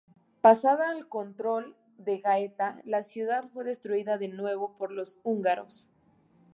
Pasada al control de Gaeta, la ciudad fue destruida de nuevo por los húngaros.